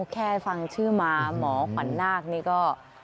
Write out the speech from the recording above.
แค่ฟังชื่อมาหมอขวัญนาคนี่ก็